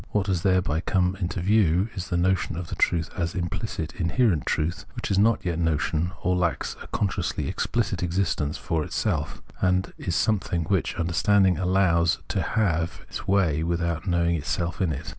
What has thereby come to view is the notion of the truth as imphcit inherent truth, which is not yet notion, or lacks a consciously explicit existence for itself (Fiirsichseyn) , and is something which under standing allows to have its way without knowing itself in it.